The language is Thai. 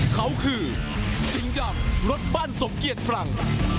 เขาคือชิงดังรถบ้านสมเกียจฝรั่ง